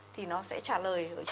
thì nó sẽ trả lời